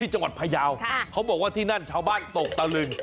จังหวัดพยาวเขาบอกว่าที่นั่นชาวบ้านตกตะลึง